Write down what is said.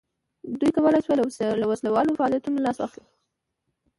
دوی کولای شوای له وسله والو فعالیتونو لاس واخلي.